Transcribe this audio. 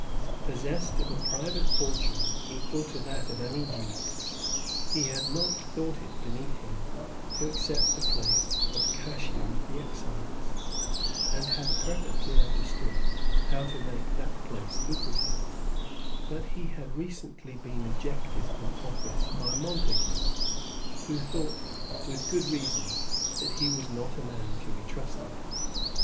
Possessed of a private fortune equal to that of any duke, he had not thought it beneath him to accept the place of Cashier of the Excise, and had perfectly understood how to make that place lucrative; but he had recently been ejected from office by Montague, who thought, with good reason, that he was not a man to be trusted.